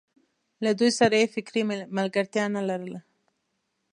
له دوی سره یې فکري ملګرتیا نه لرله.